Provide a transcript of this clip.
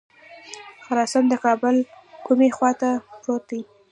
خراسان د کابل کومې خواته پروت دی.